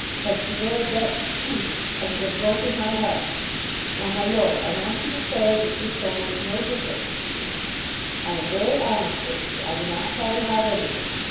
Had she married that sweep I should have broken my heart. Now, my Lord, I want you to say that this shall make no difference to you. I am very honest with you. I do not try to hide anything.